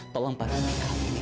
tolong paruhkan ini